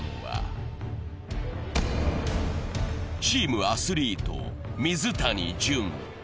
チームアスリート、水谷隼。